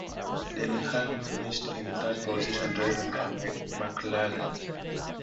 Denny Hulme finished in third position, driving a McLaren.